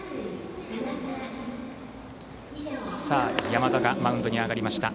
山田がマウンドに上がりました。